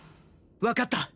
分かった！